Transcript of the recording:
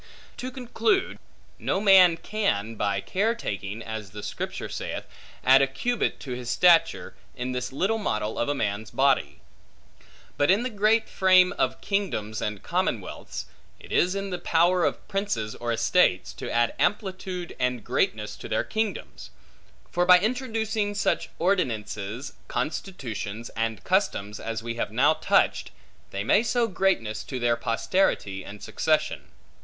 To conclude: no man can by care taking (as the Scripture saith) add a cubit to his stature, in this little model of a man's body; but in the great frame of kingdoms and commonwealths, it is in the power of princes or estates, to add amplitude and greatness to their kingdoms; for by introducing such ordinances, constitutions, and customs, as we have now touched, they may sow greatness to their posterity and succession.